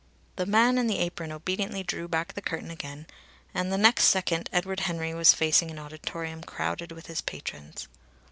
The man in the apron obediently drew back the curtain again, and the next second Edward Henry was facing an auditorium crowded with his patrons.